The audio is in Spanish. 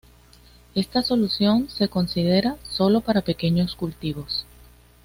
Esta solución se considera sólo para pequeños cultivos.